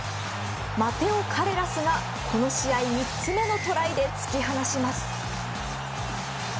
マテオ・カレラスが、この試合３つ目のトライで突き放します。